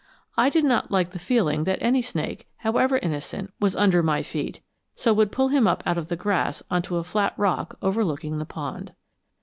I did not like the feeling that any snake, however innocent, was under my feet, so would pull him up out of the grass onto a flat rock overlooking the pond.